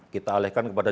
kita alihkan kepada